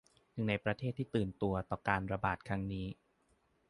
หนึ่งในประเทศที่ตื่นตัวต่อการระบาดครั้งนี้